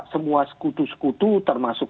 semua sekutu sekutu termasuk